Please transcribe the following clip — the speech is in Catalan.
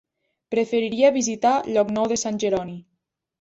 Preferiria visitar Llocnou de Sant Jeroni.